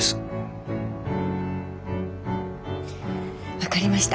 分かりました。